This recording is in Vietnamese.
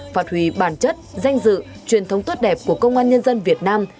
phạt hủy bản chất danh dự truyền thống tốt đẹp của công an nhân dân việt nam